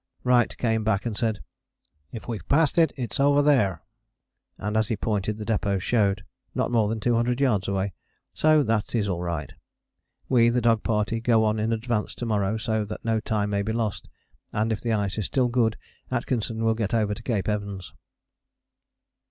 Wright came back and said, "If we have passed it, it's over there" and as he pointed the depôt showed not more than 200 yards away. So that is all right. We, the dog party, go on in advance to morrow, so that no time may be lost, and if the ice is still good, Atkinson will get over to Cape Evans.